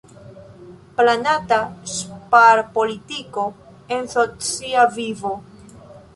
Planata ŝparpolitiko en socia vivo.